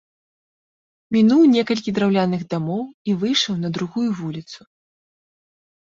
Мінуў некалькі драўляных дамоў і выйшаў на другую вуліцу.